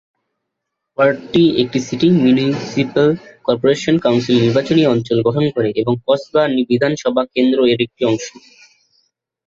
ওয়ার্ডটি একটি city municipal corporation council নির্বাচনী অঞ্চল গঠন করে এবং কসবা বিধানসভা কেন্দ্র এর একটি অংশ।